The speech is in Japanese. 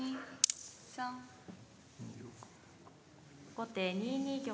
後手２二玉。